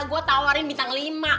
aku tawarkan bintang lima